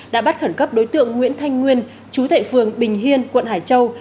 đã bắt khẩn cấp đối tượng nguyễn thanh nguyên chú thệ phường bình hiên quận hải châu